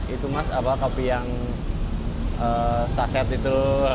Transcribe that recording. itu mas apa kopi yang saset itu